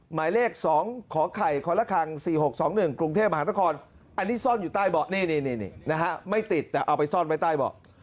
หมายเลข๒ขอไข่คละคร๔๖๒๑กรุงเทพมหานครอันนี้ซ่อนอยู่ใต้เบาะนี่นะฮะไม่ติดแต่เอาไปซ่อนไว้ใต้เบาะ